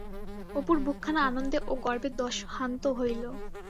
অপুর বুকখানা আনন্দে ও গর্বে দশহান্ত হইল।